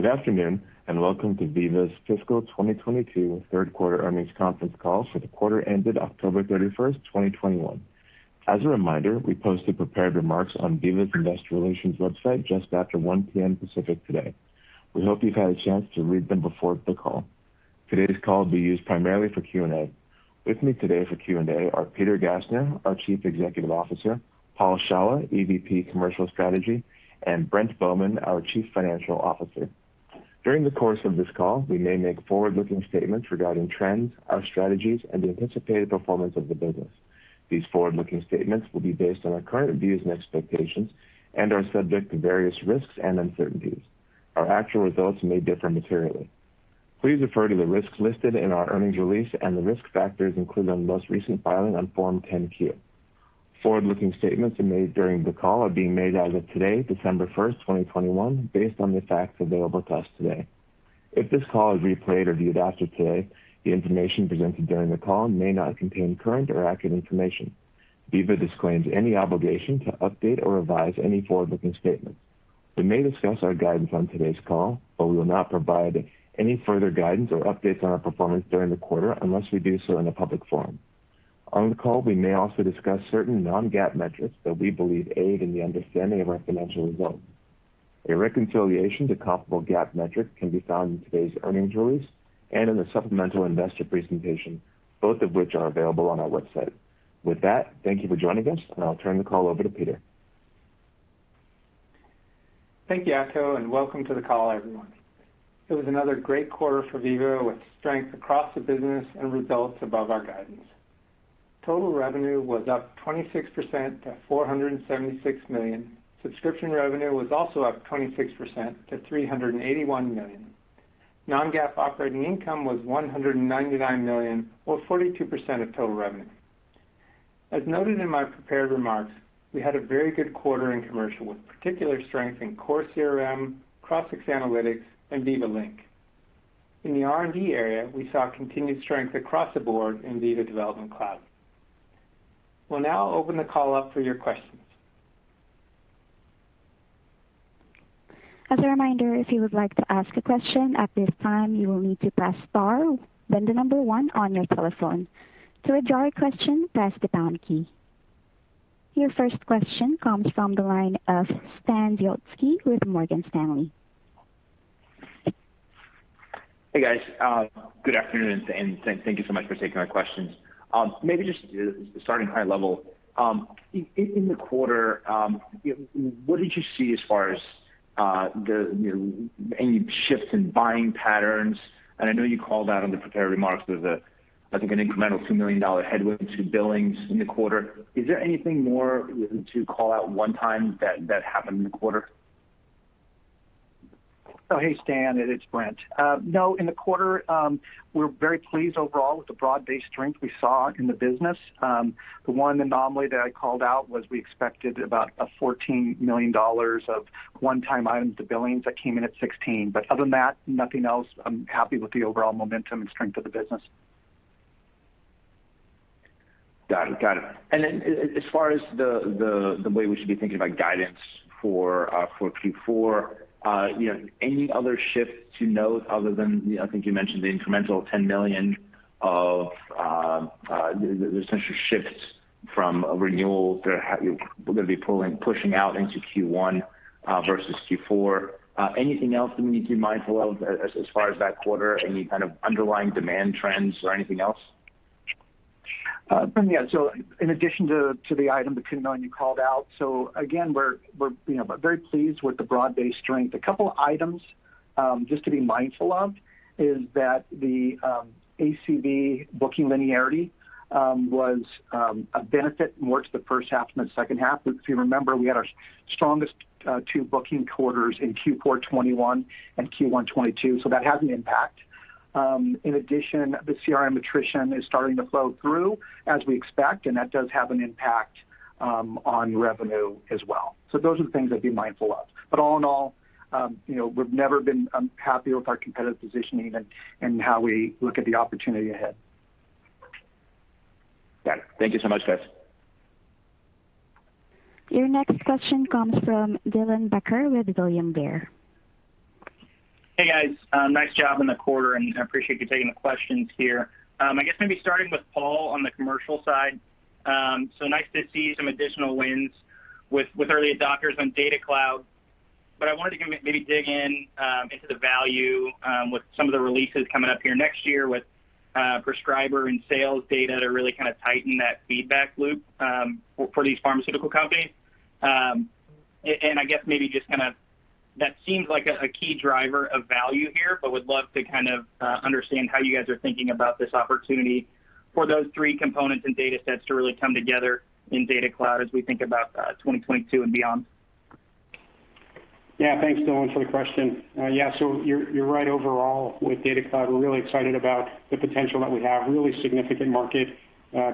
Good afternoon, and Welcome to Veeva's Fiscal 2022 Q3 Earnings Conference Call for the quarter ended October 31st, 2021. As a reminder, we posted prepared remarks on Veeva's investor relations website just after 1:00 P.M. Pacific today. We hope you've had a chance to read them before the call. Today's call will be used primarily for Q&A. With me today for Q&A are Peter Gassner, our Chief Executive Officer, Paul Shawah, EVP Commercial Strategy, and Brent Bowman, our Chief Financial Officer. During the course of this call, we may make forward-looking statements regarding trends, our strategies, and the anticipated performance of the business. These forward-looking statements will be based on our current views and expectations and are subject to various risks and uncertainties. Our actual results may differ materially. Please refer to the risks listed in our earnings release and the risk factors included on the most recent filing on Form 10-Q. Forward-looking statements made during the call are being made as of today, December 1st, 2021, based on the facts available to us today. If this call is replayed or viewed after today, the information presented during the call may not contain current or accurate information. Veeva disclaims any obligation to update or revise any forward-looking statements. We may discuss our guidance on today's call, but we will not provide any further guidance or updates on our performance during the quarter unless we do so in a public forum. On the call, we may also discuss certain non-GAAP metrics that we believe aid in the understanding of our financial results. A reconciliation to comparable GAAP metrics can be found in today's earnings release and in the supplemental investor presentation, both of which are available on our website. With that, thank you for joining us, and I'll turn the call over to Peter. Thank you, Ato, and welcome to the call, everyone. It was another great quarter for Veeva with strength across the business and results above our guidance. Total revenue was up 26% to $476 million. Subscription revenue was also up 26% to $381 million. Non-GAAP operating income was $199 million or 42% of total revenue. As noted in my prepared remarks, we had a very good quarter in commercial, with particular strength in Core CRM, Crossix Analytics, and Veeva Link. In the R&D area, we saw continued strength across the board in Veeva Development Cloud. We'll now open the call up for your questions. As a reminder, if you would like to ask a question at this time, you will need to press star, then the number one on your telephone. To withdraw a question, press the pound key. Your first question comes from the line of Stan Zlotsky with Morgan Stanley. Hey, guys. Good afternoon, and thank you so much for taking our questions. Maybe just starting high level in the quarter, what did you see as far as the, you know, any shifts in buying patterns? I know you called out in the prepared remarks there's, I think, an incremental $2 million headwind to billings in the quarter. Is there anything more to call out one time that happened in the quarter? Oh, hey, Stan, it is Brent. No, in the quarter, we're very pleased overall with the broad-based strength we saw in the business. The one anomaly that I called out was we expected about a $14 million of one-time items to billings that came in at $16 million. Other than that, nothing else. I'm happy with the overall momentum and strength of the business. Got it. As far as the way we should be thinking about guidance for Q4, you know, any other shifts you note other than, you know, I think you mentioned the incremental $10 million of the essential shifts from a renewal to, you know, we're gonna be pushing out into Q1 versus Q4. Anything else that we need to be mindful of as far as that quarter, any kind of underlying demand trends or anything else? In addition to the item, the $2 million you called out, again, we're you know very pleased with the broad-based strength. A couple of items just to be mindful of is that the ACV booking linearity was a benefit more to the first half than the second half. If you remember, we had our strongest two booking quarters in Q4 2021 and Q1 2022, so that had an impact. In addition, the CRM attrition is starting to flow through as we expect, and that does have an impact on revenue as well. Those are the things I'd be mindful of. All in all, you know, we've never been happier with our competitive positioning and how we look at the opportunity ahead. Got it. Thank you so much, guys. Your next question comes from Dylan Becker with William Blair. Hey, guys. Nice job in the quarter, and I appreciate you taking the questions here. I guess maybe starting with Paul on the commercial side. Nice to see some additional wins with early adopters on Data Cloud. I wanted to maybe dig into the value with some of the releases coming up here next year with prescriber and sales data to really kinda tighten that feedback loop for these pharmaceutical companies. I guess maybe just kinda that seems like a key driver of value here, but would love to kind of understand how you guys are thinking about this opportunity for those three components and datasets to really come together in Data Cloud as we think about 2022 and beyond. Yeah. Thanks, Dylan, for the question. Yeah, so you're right overall with Data Cloud. We're really excited about the potential that we have. Really significant market,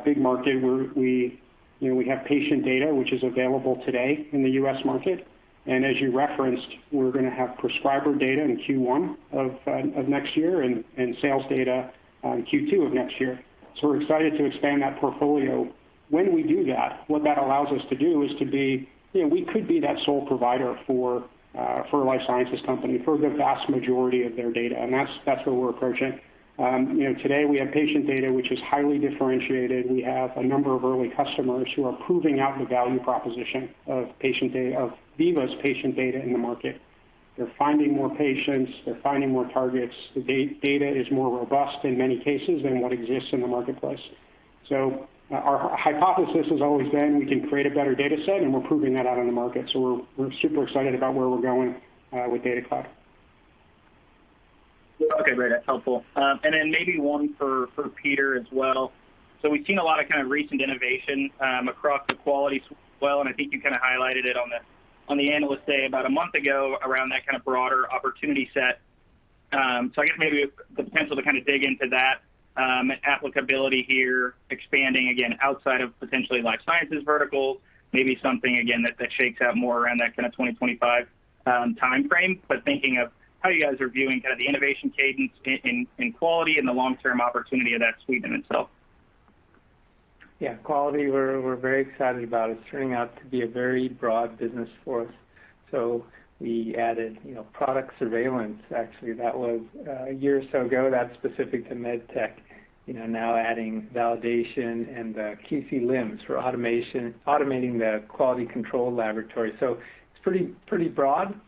big market where we, you know, we have patient data, which is available today in the U.S. market. As you referenced, we're gonna have prescriber data in Q1 of next year and sales data in Q2 of next year. We're excited to expand that portfolio. When we do that, what that allows us to do is to be, you know, we could be that sole provider for a life sciences company for the vast majority of their data, and that's what we're approaching. You know, today we have patient data which is highly differentiated. We have a number of early customers who are proving out the value proposition of Veeva's patient data in the market. They're finding more patients. They're finding more targets. The data is more robust in many cases than what exists in the marketplace. So our hypothesis has always been we can create a better data set, and we're proving that out in the market. So we're super excited about where we're going with Data Cloud. Okay, great. That's helpful. Maybe one for Peter as well. We've seen a lot of kind of recent innovation across the quality as well, and I think you kind of highlighted it on the Analyst Day about a month ago around that kind of broader opportunity set. I guess maybe the potential to kind of dig into that applicability here, expanding again outside of potentially life sciences verticals, maybe something again that shakes out more around that kind of 2025 timeframe. Thinking of how you guys are viewing kind of the innovation cadence in quality and the long-term opportunity of that suite in itself. Yeah. Quality, we're very excited about. It's turning out to be a very broad business for us. We added, you know, product surveillance. Actually, that was a year or so ago. That's specific to med tech. You know, now adding validation and the Vault LIMS for automation, automating the quality control laboratory. It's pretty broad.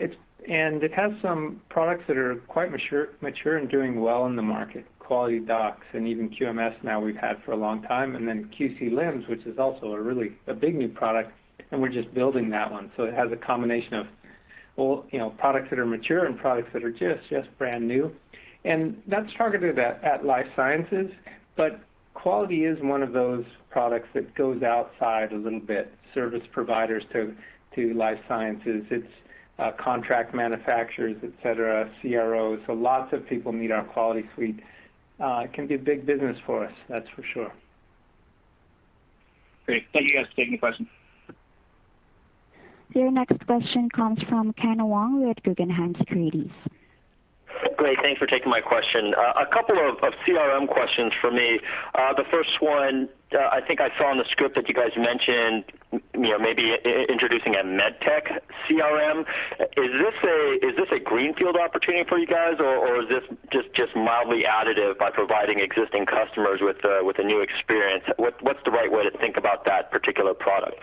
It's and it has some products that are quite mature and doing well in the market, QualityDocs, and even QMS now we've had for a long time, and then Vault LIMS, which is also a really big new product, and we're just building that one. It has a combination of, well, you know, products that are mature and products that are just brand new. That's targeted at life sciences. Quality is one of those products that goes outside a little bit, service providers to life sciences. It's contract manufacturers, et cetera, CROs. Lots of people need our quality suite. It can be a big business for us, that's for sure. Great. Thank you guys for taking the question. Your next question comes from Ken Wong with Guggenheim Securities. Great. Thanks for taking my question. A couple of CRM questions for me. The first one, I think I saw in the script that you guys mentioned, you know, maybe introducing a med tech CRM. Is this a greenfield opportunity for you guys, or is this just mildly additive by providing existing customers with a new experience? What's the right way to think about that particular product?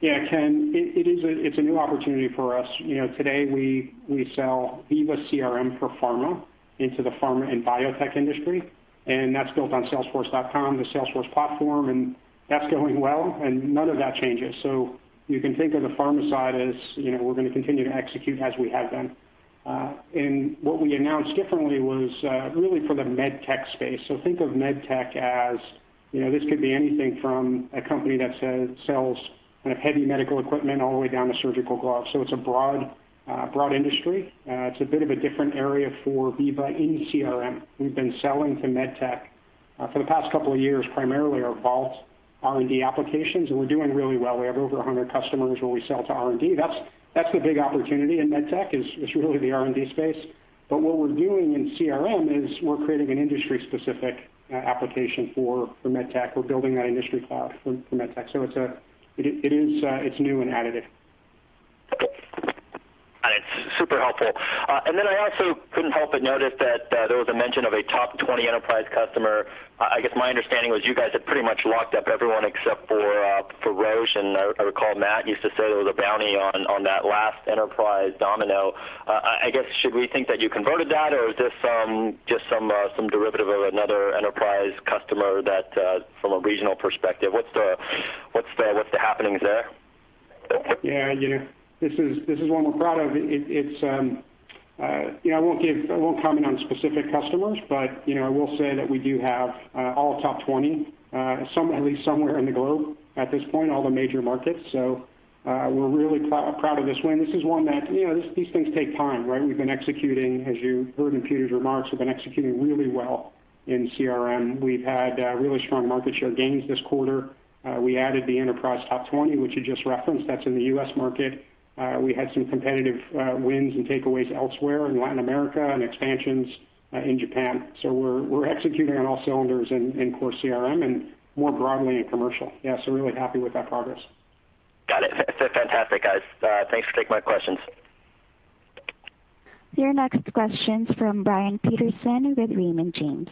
Yeah, Ken, it is a new opportunity for us. You know, today we sell Veeva CRM for pharma into the pharma and biotech industry, and that's built on Salesforce.com, the Salesforce platform, and that's going well, and none of that changes. You can think of the pharma side as, you know, we're gonna continue to execute as we have been. And what we announced differently was really for the med tech space. Think of med tech as, you know, this could be anything from a company that sells kind of heavy medical equipment all the way down to surgical gloves. It's a broad industry. It's a bit of a different area for Veeva in CRM. We've been selling to med tech for the past couple of years, primarily our Vault R&D applications, and we're doing really well. We have over 100 customers where we sell to R&D. That's the big opportunity in med tech is really the R&D space. What we're doing in CRM is we're creating an industry-specific application for med tech. We're building that industry cloud for med tech. It's new and additive. Got it. Super helpful. I also couldn't help but notice that there was a mention of a top 20 enterprise customer. I guess my understanding was you guys had pretty much locked up everyone except for Roche. I recall Matt used to say there was a bounty on that last enterprise domino. I guess should we think that you converted that, or is this just some derivative of another enterprise customer that from a regional perspective? What's the happenings there? Yeah, you know, this is one we're proud of. You know, I won't comment on specific customers, but, you know, I will say that we do have all top 20, some at least somewhere in the globe at this point, all the major markets. We're really proud of this win. This is one that, you know, these things take time, right? We've been executing, as you heard in Peter's remarks, we've been executing really well in CRM. We've had really strong market share gains this quarter. We added the enterprise top 20, which you just referenced. That's in the U.S. market. We had some competitive wins and takeaways elsewhere in Latin America and expansions in Japan. We're executing on all cylinders in Core CRM and more broadly in commercial. Yeah, really happy with that progress. Got it. Fantastic, guys. Thanks for taking my questions. Your next question's from Brian Peterson with Raymond James.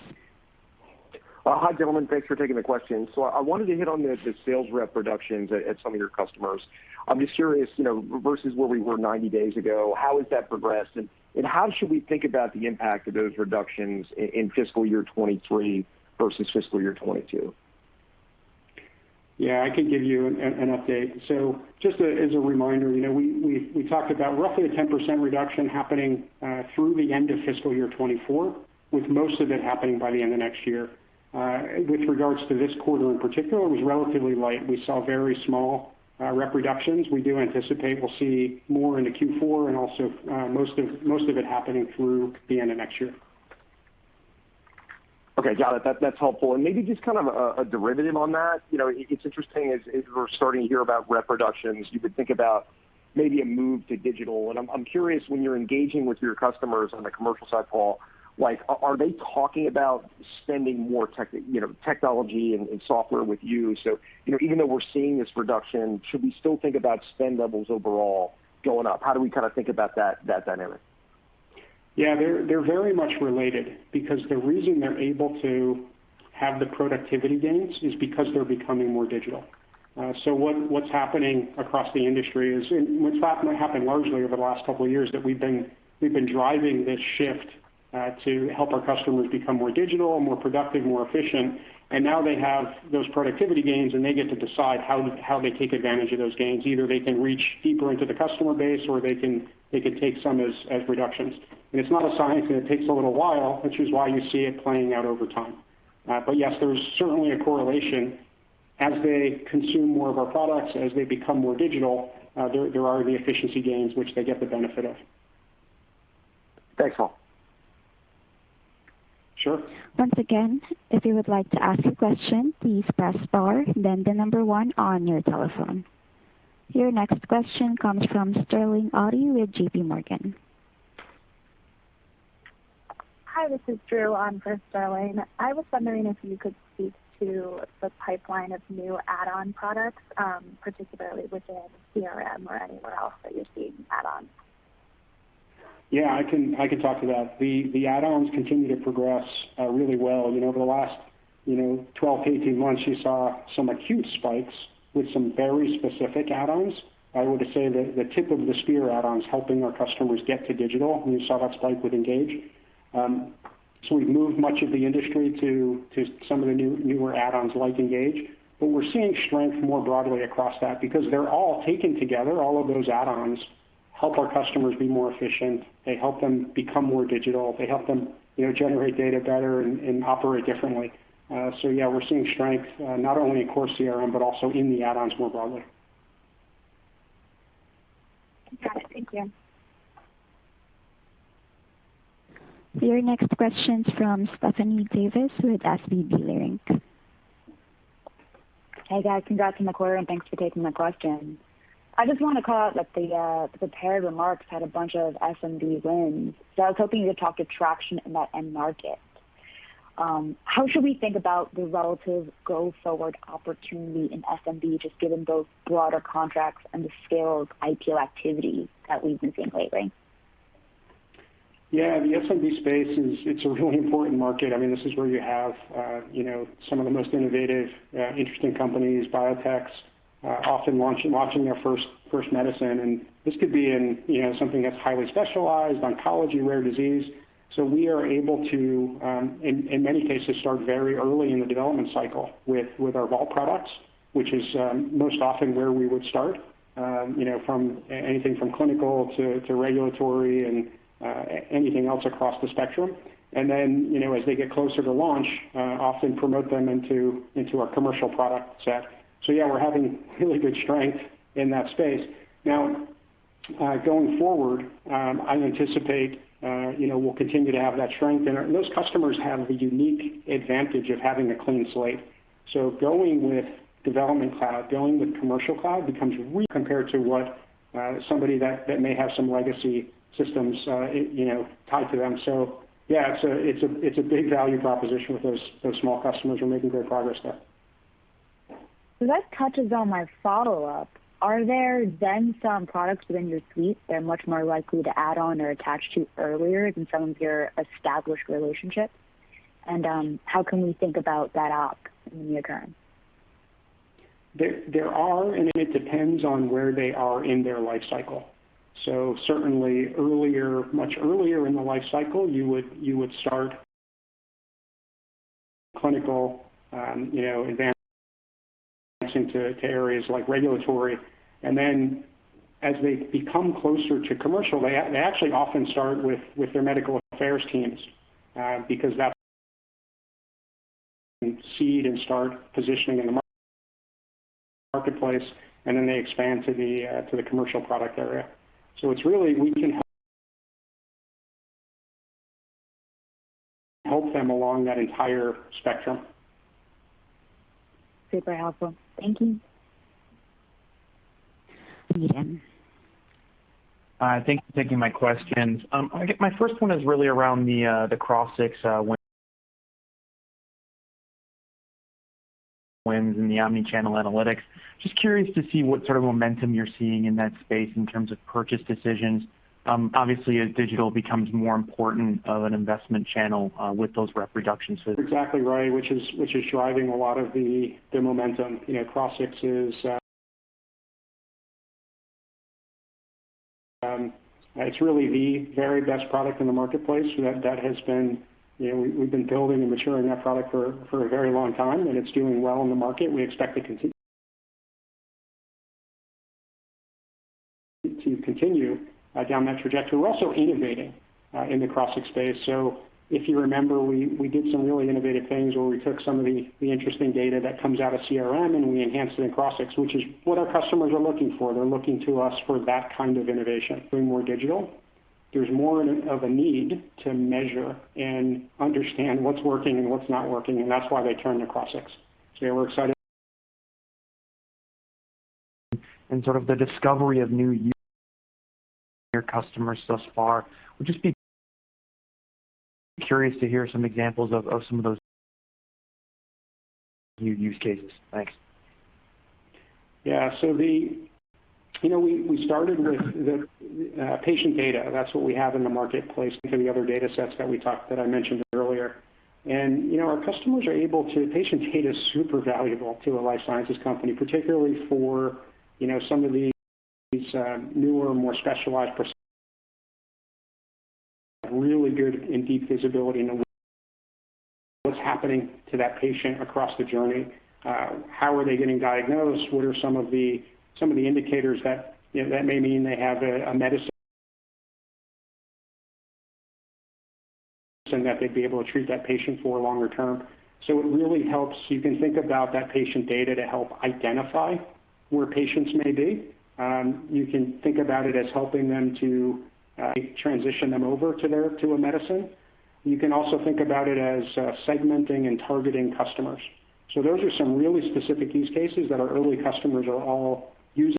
Hi, gentlemen. Thanks for taking the question. I wanted to hit on the sales rep reductions at some of your customers. I'm just curious, you know, versus where we were 90 days ago, how has that progressed, and how should we think about the impact of those reductions in fiscal year 2023 versus fiscal year 2022? Yeah, I can give you an update. Just as a reminder, you know, we talked about roughly a 10% reduction happening through the end of fiscal year 2024, with most of it happening by the end of next year. With regards to this quarter in particular, it was relatively light. We saw very small rep reductions. We do anticipate we'll see more into Q4 and also most of it happening through the end of next year. Okay. Got it. That's helpful. Maybe just kind of a derivative on that. You know, it's interesting as we're starting to hear about rep reductions, you could think about maybe a move to digital. I'm curious when you're engaging with your customers on the commercial side, Paul, like, are they talking about spending more technology and software with you? You know, even though we're seeing this reduction, should we still think about spend levels overall going up? How do we kinda think about that dynamic? Yeah, they're very much related because the reason they're able to have the productivity gains is because they're becoming more digital. So what's happening across the industry is, in fact, what happened largely over the last couple of years that we've been driving this shift to help our customers become more digital, more productive, more efficient, and now they have those productivity gains, and they get to decide how they take advantage of those gains. Either they can reach deeper into the customer base, or they can take some as reductions. It's not a science, and it takes a little while, which is why you see it playing out over time. Yes, there's certainly a correlation. As they consume more of our products, as they become more digital, there are the efficiency gains which they get the benefit of. Thanks, Paul. Sure. Your next question comes from Sterling Auty with J.P. Morgan. Hi, this is Drew, on for Sterling. I was wondering if you could speak to the pipeline of new add-on products, particularly within CRM or anywhere else that you're seeing add-ons. Yeah, I can talk to that. The add-ons continue to progress really well. You know, over the last 12, 18 months, you saw some acute spikes with some very specific add-ons. I would say the tip of the spear add-ons helping our customers get to digital, and you saw that spike with Engage. We've moved much of the industry to some of the newer add-ons like Engage. We're seeing strength more broadly across that because they're all taken together. All of those add-ons help our customers be more efficient. They help them become more digital. They help them generate data better and operate differently. Yeah, we're seeing strength not only in Core CRM, but also in the add-ons more broadly. Got it. Thank you. Your next question's from Stephanie Davis with SVB Leerink. Hey, guys. Congrats on the quarter and thanks for taking my questions. I just wanna call out that the prepared remarks had a bunch of SMB wins. I was hoping you could talk to traction in that end market. How should we think about the relative go-forward opportunity in SMB, just given both broader contracts and the scale of IPO activity that we've been seeing lately? Yeah. The SMB space is. It's a really important market. I mean, this is where you have, you know, some of the most innovative, interesting companies, biotechs, often launching their first medicine, and this could be in, you know, something that's highly specialized, oncology, rare disease. We are able to, in many cases, start very early in the development cycle with our Vault products, which is most often where we would start, you know, from anything from clinical to regulatory and anything else across the spectrum. Then, you know, as they get closer to launch, often promote them into our commercial product set. Yeah, we're having really good strength in that space. Now, going forward, I anticipate, you know, we'll continue to have that strength in our...Those customers have the unique advantage of having a clean slate. Going with Development Cloud, going with Commercial Cloud becomes really compared to what, somebody that may have some legacy systems, you know, tied to them. Yeah, it's a big value proposition with those small customers. We're making good progress there. That touches on my follow-up. Are there then some products within your suite they're much more likely to add on or attach to earlier than some of your established relationships? How can we think about that opt in the near term? There are, and it depends on where they are in their life cycle. Certainly earlier, much earlier in the life cycle, you would start clinical, you know, advancing to areas like regulatory. As they become closer to commercial, they actually often start with their medical affairs teams, because that's seed and start positioning in the marketplace, and then they expand to the commercial product area. It's really we can help them along that entire spectrum. Super helpful. Thank you. Ian. Thank you for taking my questions. I guess my first one is really around the Crossix wins and the omni-channel analytics. Just curious to see what sort of momentum you're seeing in that space in terms of purchase decisions. Obviously, as digital becomes more important of an investment channel, with those rep reductions- Exactly right, which is driving a lot of the momentum. You know, Crossix is. It's really the very best product in the marketplace. That has been. You know, we've been building and maturing that product for a very long time, and it's doing well in the market. We expect it to continue down that trajectory. We're also innovating in the Crossix space. If you remember, we did some really innovative things where we took some of the interesting data that comes out of CRM, and we enhanced it in Crossix, which is what our customers are looking for. They're looking to us for that kind of innovation, being more digital. There's more of a need to measure and understand what's working and what's not working, and that's why they turn to Crossix. We're excited- Sort of the discovery of new use cases thus far. Would just be curious to hear some examples of some of those new use cases. Thanks. Yeah. You know, we started with the patient data. That's what we have in the marketplace with the other data sets that I mentioned earlier. You know, our customers are able to. Patient data is super valuable to a life sciences company, particularly for you know, some of these newer, more specialized procedures. Really good and deep visibility into what's happening to that patient across the journey, how are they getting diagnosed, what are some of the indicators that you know, that may mean they have a medicine that they'd be able to treat that patient for longer term. It really helps. You can think about that patient data to help identify where patients may be. You can think about it as helping them to transition them over to a medicine. You can also think about it as, segmenting and targeting customers. Those are some really specific use cases that our early customers are all using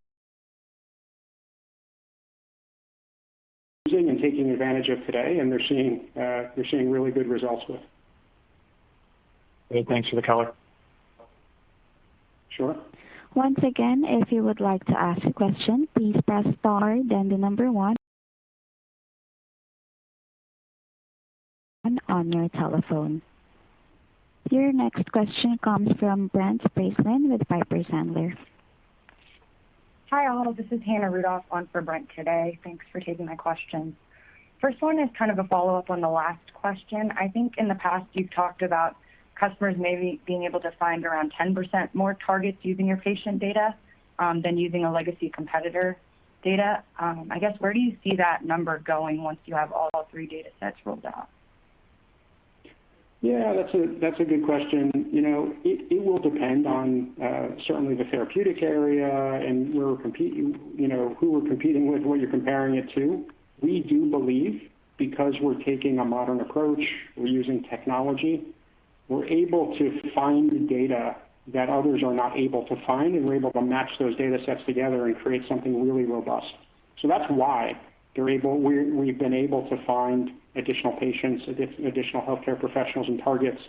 and taking advantage of today, and they're seeing really good results with. Great. Thanks for the color. Sure. Once again, if you would like to ask a question, please press Star then the number one on your telephone. Your next question comes from Brent Bracelin with Piper Sandler. Hi, all. This is Hannah Rudoff on for Brent today. Thanks for taking my questions. First one is kind of a follow-up on the last question. I think in the past you've talked about customers maybe being able to find around 10% more targets using your patient data than using a legacy competitor data. I guess where do you see that number going once you have all three data sets rolled out? Yeah. That's a good question. You know, it will depend on certainly the therapeutic area and you know who we're competing with, what you're comparing it to. We do believe because we're taking a modern approach, we're using technology, we're able to find data that others are not able to find, and we're able to match those data sets together and create something really robust. So that's why we've been able to find additional patients, additional healthcare professionals and targets,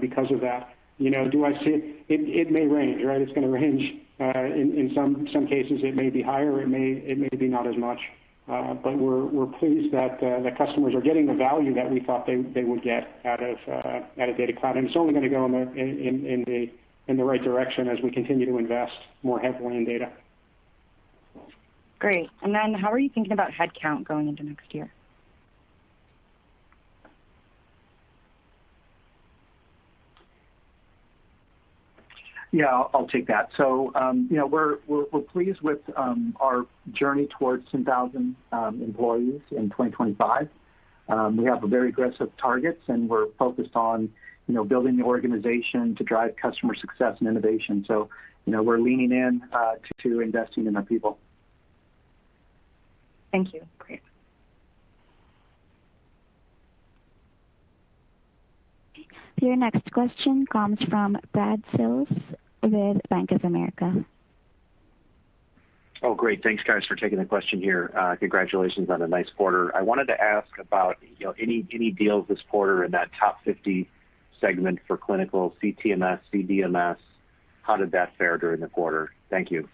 because of that. You know, do I see it may range, right? It's gonna range. In some cases it may be higher, it may be not as much. We're pleased that the customers are getting the value that we thought they would get out of Data Cloud. It's only gonna go in the right direction as we continue to invest more heavily in data. Great. How are you thinking about headcount going into next year? Yeah, I'll take that. You know, we're pleased with our journey towards 10,000 employees in 2025. We have very aggressive targets, and we're focused on, you know, building the organization to drive customer success and innovation. You know, we're leaning in to investing in our people. Thank you. Great. Your next question comes from Brad Sills with Bank of America. Oh, great. Thanks, guys, for taking the question here. Congratulations on a nice quarter. I wanted to ask about, you know, any deals this quarter in that top 50 segment for clinical CTMS, CDMS, how did that fare during the quarter? Thank you.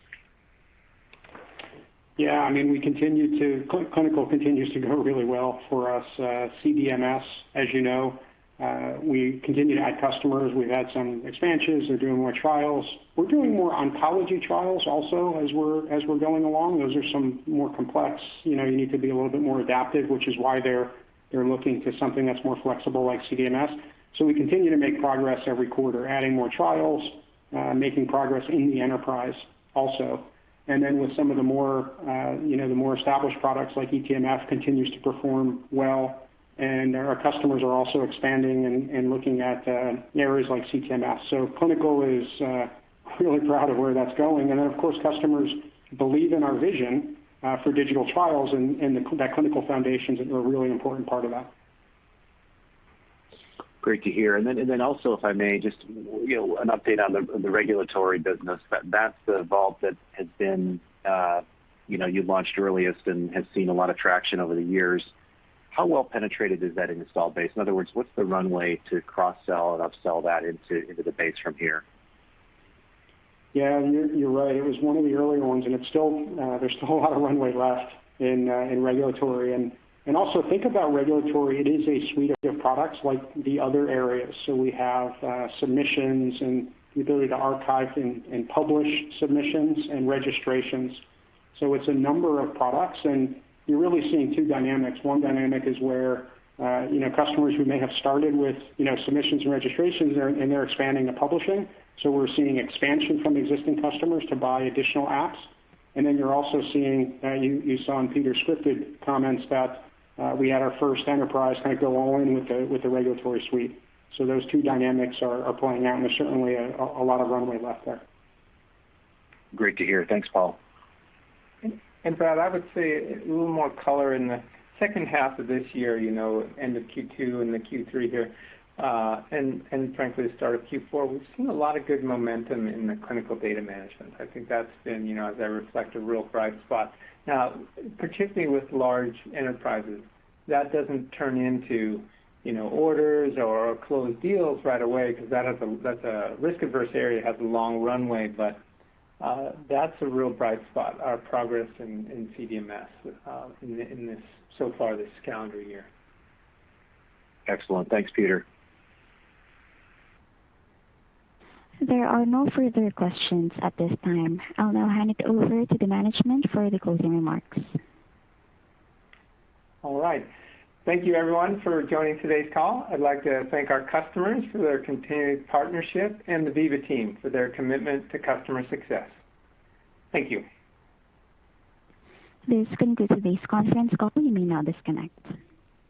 Yeah. I mean, we continue to clinical continues to go really well for us. CDMS, as you know, we continue to add customers. We've had some expansions. They're doing more trials. We're doing more oncology trials also as we're going along. Those are some more complex. You know, you need to be a little bit more adaptive, which is why they're looking to something that's more flexible like CDMS. We continue to make progress every quarter, adding more trials, making progress in the enterprise also. With some of the more, you know, the more established products like eTMF continues to perform well. Our customers are also expanding and looking at areas like CTMS. Clinical is really proud of where that's going. Of course, customers believe in our vision for digital trials and that clinical foundations are a really important part of that. Great to hear. Also, if I may just, you know, an update on the regulatory business. That's the Vault that has been, you know, you've launched earliest and has seen a lot of traction over the years. How well penetrated is that in the install base? In other words, what's the runway to cross-sell and upsell that into the base from here? Yeah. You're right. It was one of the earlier ones, and there's still a lot of runway left in regulatory. Also think about regulatory, it is a suite of products like the other areas. We have submissions and the ability to archive and publish submissions and registrations. It's a number of products, and you're really seeing two dynamics. One dynamic is where, you know, customers who may have started with, you know, submissions and registrations, they're expanding to publishing. We're seeing expansion from existing customers to buy additional apps. Then you're also seeing, you saw in Peter's scripted comments that, we had our first enterprise kind of go all in with the regulatory suite. Those two dynamics are playing out, and there's certainly a lot of runway left there. Great to hear. Thanks, Paul. Brad, I would say a little more color in the second half of this year, you know, end of Q2 and the Q3 here, and frankly the start of Q4, we've seen a lot of good momentum in the clinical data management. I think that's been, you know, as I reflect, a real bright spot. Now, particularly with large enterprises, that doesn't turn into, you know, orders or closed deals right away because that's a risk-averse area, has a long runway, but that's a real bright spot, our progress in CDMS so far this calendar year. Excellent. Thanks, Peter. There are no further questions at this time. I'll now hand it over to the management for the closing remarks. All right. Thank you everyone for joining today's call. I'd like to thank our customers for their continued partnership and the Veeva team for their commitment to customer success. Thank you. This concludes today's conference call. You may now disconnect.